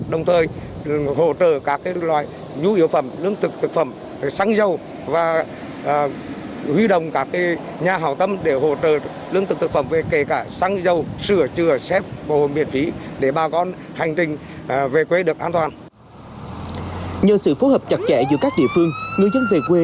đồng thời hỗ trợ các cái loại nhu yếu phẩm lương thực thực phẩm sáng dâu và huy động các cái nhà hào tâm để hỗ trợ lương thực thực phẩm về kể cả sáng dâu